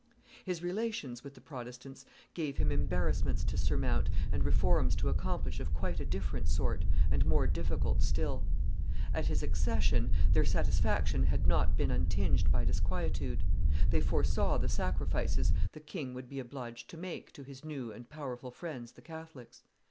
His relations with the Protestants gave him embarrassments to surmount and reforms to accomplish of quite a different sort, and more difficult still. At his accession, their satisfaction had not been untinged by disquietude; they foresaw the sacrifices the king would be obliged to make to his new and powerful friends the Catholics.